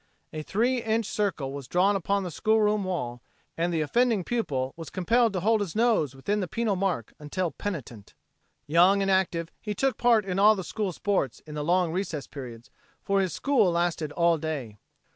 A three inch circle was drawn upon the schoolroom wall and the offending pupil was compelled to hold his nose within the penal mark until penitent. Young and active he took part in all the school sports in the long recess periods, for his school lasted all day.